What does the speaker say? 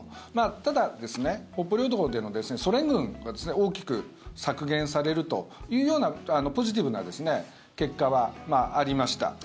ただ、北方領土でのソ連軍が大きく削減されるというポジティブな結果はありました。